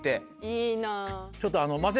いいな。